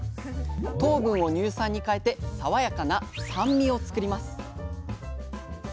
糖分を乳酸に変えて爽やかな酸味を作ります。